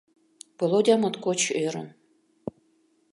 Володя моткоч ӧрын.